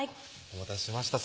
お待たせしました